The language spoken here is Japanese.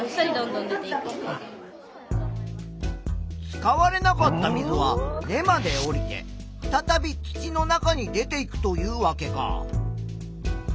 使われなかった水は根まで下りてふたたび土の中に出ていくというわけか。